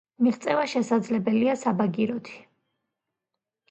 მიღწევა შესაძლებელია საბაგიროთი.